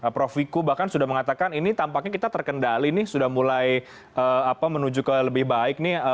prof wiku bahkan sudah mengatakan ini tampaknya kita terkendali nih sudah mulai menuju ke lebih baik nih